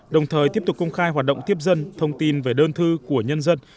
đồng thời tiếp tục công khai hoạt động tiếp dân thông tin về đơn thư của nhân dân